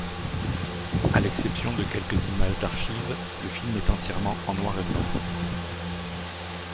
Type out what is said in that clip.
À l'exception de quelques images d'archives, le film est entièrement en noir et blanc.